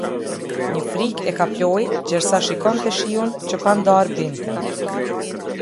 Një frikë e kaploi gjersa shikonte shiun që pandarë binte.